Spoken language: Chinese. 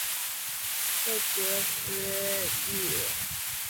为堤厄斯忒斯与其女菲洛庇亚为推翻阿特柔斯所生。